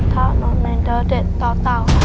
เท้าหนอนเอนเด้อเด็ดดอเต่า